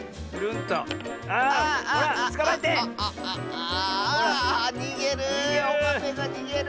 あにげる！